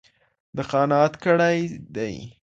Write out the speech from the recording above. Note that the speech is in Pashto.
ده قناعت کړی دی.